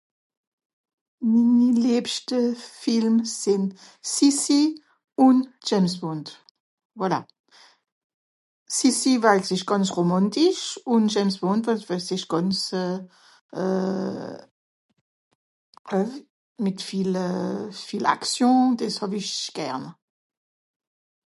minni lebschte Film sinn Sissi un James Bond voilà Sissi weil s'esch gànz romantisch un James Bond weil s'esch gànz euhh euh met viel euhh viel actions des hàw'ich gern